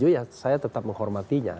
ya saya tetap menghormatinya